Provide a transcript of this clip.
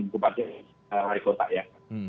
kubatnya dari kota ya